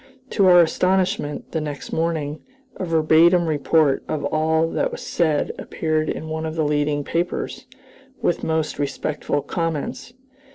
To our astonishment, the next morning, a verbatim report of all that was said appeared in one of the leading papers, with most respectful comments.